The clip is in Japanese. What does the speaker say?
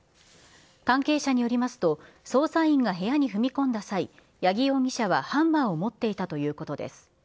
関係者によりますと、捜査員が部屋に踏み込んだ際、八木容疑者はハンマーを持っていたということです。